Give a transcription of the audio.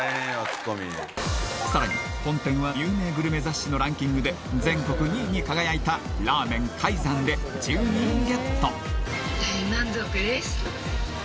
ツッコミさらに本店は有名グルメ雑誌のランキングで全国２位に輝いたラーメンかいざんで１０人ゲット大満足です